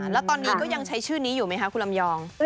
แล้วตอนนี้ก็ยังใช้ชื่อนี้อยู่ไหมคะคุณลำยอง